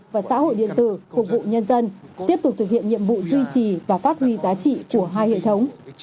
và xã hội điện tử phục vụ nhân dân tiếp tục thực hiện nhiệm vụ duy trì và phát huy giá trị của hai hệ thống